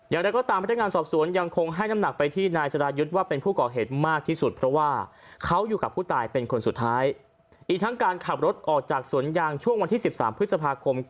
อย่างนั้นก็ตามพ